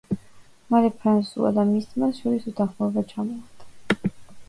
მალე ფრანსუასა და მის ძმას შორის უთანხმოება ჩამოვარდა.